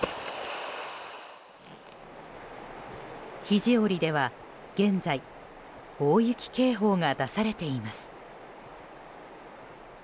肘折では現在大雪警報が出されています。